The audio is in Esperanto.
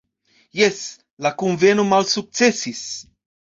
Jes, la kunveno malsuksesis.